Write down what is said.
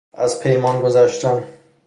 از پیمان گذشتن